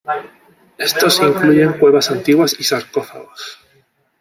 Estos incluyen cuevas antiguas y sarcófagos.